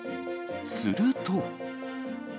すると。